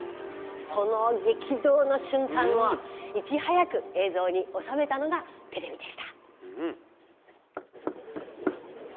その激動の瞬間をいち早く映像に収めたのがテレビでした。